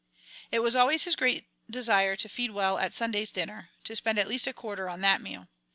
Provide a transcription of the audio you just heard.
It was always his great desire to feed well at Sunday's dinner, to spend at least a quarter on that meal.